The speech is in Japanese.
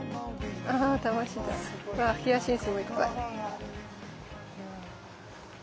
あっヒヤシンスもいっぱい。